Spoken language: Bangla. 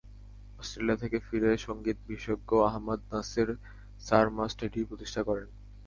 অস্ট্রেলিয়া থেকে ফিরে সংগীত বিশেষজ্ঞ আহমাদ নাসের সারমাস্ট এটি প্রতিষ্ঠা করেন।